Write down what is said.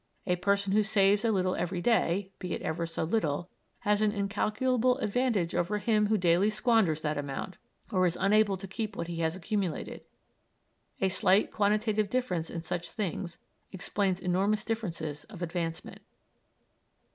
A person who saves a little every day, be it ever so little, has an incalculable advantage over him who daily squanders that amount, or is unable to keep what he has accumulated. A slight quantitative difference in such things explains enormous differences of advancement.